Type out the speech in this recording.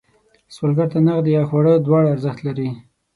سوالګر ته نغدې یا خواړه دواړه ارزښت لري